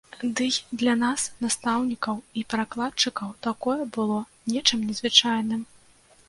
Ды й для нас, настаўнікаў і перакладчыкаў, такое было нечым незвычайным.